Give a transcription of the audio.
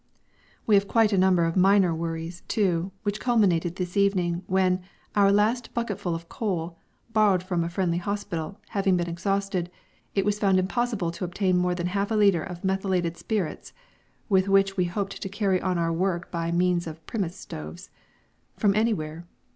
_" We have had quite a number of minor worries, too, which culminated this evening, when, our last bucketful of coal, borrowed from a friendly hospital, having been exhausted, it was found impossible to obtain more than half a litre of methylated spirits (with which we had hoped to carry on our work by means of Primus stoves) from anywhere.